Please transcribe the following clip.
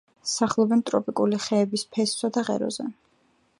სახლობენ ტროპიკული ხეების ფესვსა და ღეროზე.